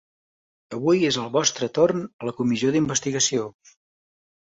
Avui és el vostre torn a la comissió d’investigació.